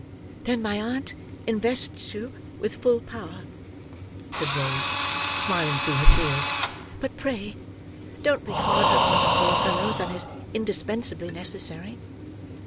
"Then my aunt invests you with full power," said Rose, smiling through her tears; "but pray don't be harder upon the poor fellows than is indispensably necessary."